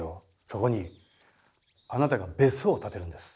そこにあなたが別荘を建てるんです。